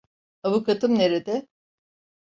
Avukatım nerede?